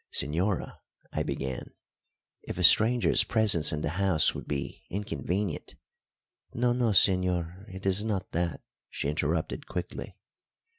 "Señora," I began, "if a stranger's presence in the house would be inconvenient " "No, no, señor, it is not that," she interrupted quickly.